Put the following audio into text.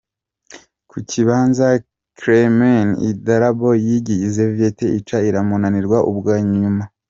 Ku kibanza Kremlin idarapo y'igi Soviet ica iramanurwa ubwa nyuma.